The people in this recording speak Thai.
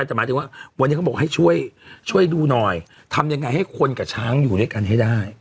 อย่างไรให้คนกับช้างอยู่ด้วยกันให้ได้